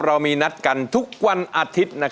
เรามีนัดกันทุกวันอาทิตย์